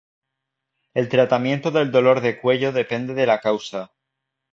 El tratamiento del dolor de cuello depende de la causa.